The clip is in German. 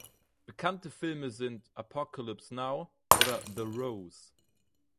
Bekannte Filme sind "Apocalypse Now" oder "The Rose".